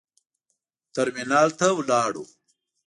ترمینال ته ولاړو.